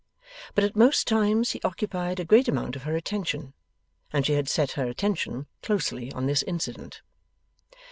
But at most times he occupied a great amount of her attention, and she had set her attention closely on this incident.